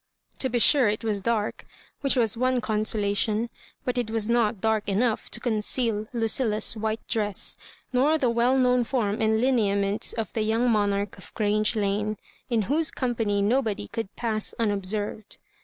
To be sure it was dark, which was one conso lation ; but it was not dark enough to conceal Lucilla's white dress, nor the well known form and lineaments of the young monarch of Grange Lane, in whose company nobody could pass un observed.